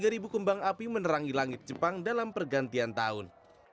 tiga ribu kembang api menerangi langit jepang dalam pergantian tahun